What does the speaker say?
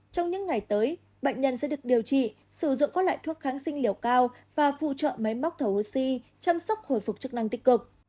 trong những ngày tới bệnh nhân sẽ được điều trị sử dụng các loại thuốc kháng sinh liều cao và phụ trợ máy móc thổ oxy chăm sóc hồi phục chức năng tích cực